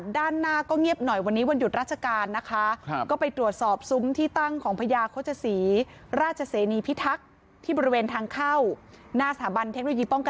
ด้านหน้าก็เงียบหน่อยวันนี้วันหยุดราชการนะคะ